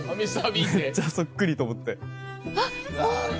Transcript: めっちゃそっくりと思って。